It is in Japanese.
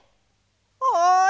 おい！